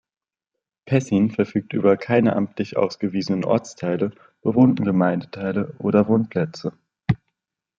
Pessin verfügt über keine amtlich ausgewiesenen Ortsteile, bewohnten Gemeindeteile oder Wohnplätze.